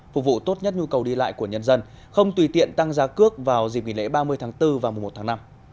phục vụ tốt nhất nhu cầu đi lại của nhân dân không tùy tiện tăng giá cước vào dịp nghỉ lễ ba mươi tháng bốn và mùa một tháng năm